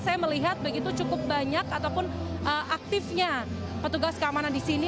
saya melihat begitu cukup banyak ataupun aktifnya petugas keamanan di sini